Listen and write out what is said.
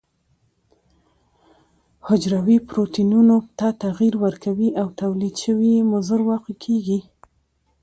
حجروي پروتینونو ته تغیر ورکوي او تولید شوي یې مضر واقع کیږي.